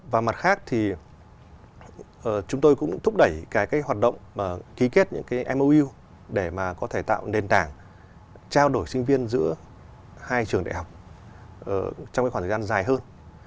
và mặt khác thì chúng tôi cũng thúc đẩy cái hoạt động ký kết những cái mou để mà có thể tạo nền tảng trao đổi sinh viên giữa hai trường đại học trong cái khoảng thời gian dài hơn